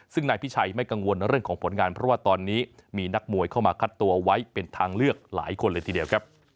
ซึ่งนายพิชัยไม่กังวลเรื่องของผลงานเพราะว่าตอนนี้มีนักมวยเข้ามาคัดตัวไว้เป็นทางเลือกหลายคนเลยทีเดียวครับ